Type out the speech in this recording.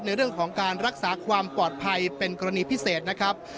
ในเรื่องของการรักษาความปลอดภัยเป็นกรณีพิเศษนะครับ